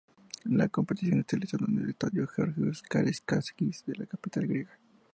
Las competiciones se realizaron en el Estadio Georgios Karaϊskakis de la capital griega.